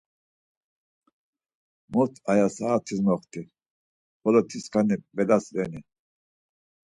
Mot aya saat̆is moxti, xolo tiskani belas reni?